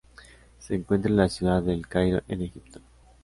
Se encuentra en la ciudad de El Cairo en Egipto.